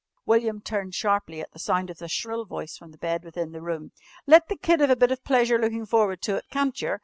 _" William turned sharply at the sound of the shrill voice from the bed within the room. "Let the kid 'ave a bit of pleasure lookin' forward to it, can't yer?